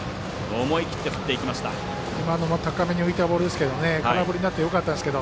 今のも高めに浮いたボールですけど空振りになってよかったですけど。